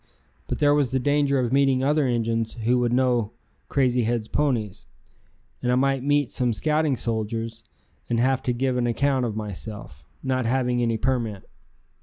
But there was the danger of meeting other Injuns who would know Crazy Head's ponies, and I might meet some scouting soldiers and have to give an account of myself, not having any permit.